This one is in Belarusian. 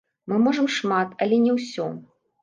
Мы можам шмат, але не ўсё.